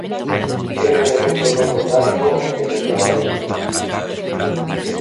É un elemento non metálico e tetravalente.